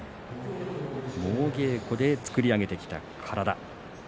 猛稽古で作り上げてきた体。